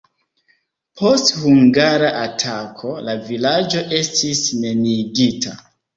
Post hungara atako la vilaĝo estis neniigita.